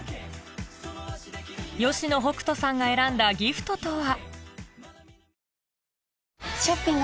吉野北人さんが選んだギフトとは？